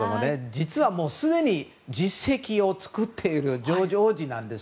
実は、もうすでに実績を作っているジョージ王子なんです。